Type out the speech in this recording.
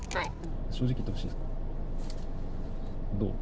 正直に言ってほしいです。